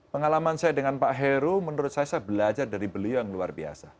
pengalaman saya dengan pak heru menurut saya saya belajar dari beliau yang luar biasa